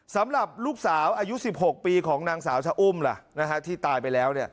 สำหรับลูกสาวอายุ๑๖ปีของนางสาวชะอุ้มล่ะที่ตายไปแล้ว